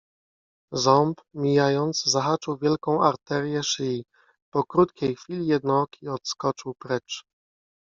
Ząb, mijając, zahaczył wielką arterię szyi. Po krótkiej chwili Jednooki odskoczył precz..